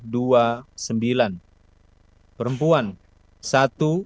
jumlah pemilih dalam daftar pemilih tetap